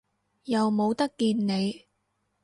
又冇得見你